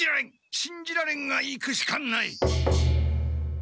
しんじられんが行くしかない！